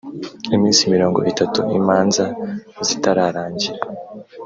iminsi mirongo itatu imanza zitararangira